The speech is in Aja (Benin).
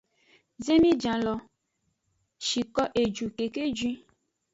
Zemijan lo shiko eju keke juin.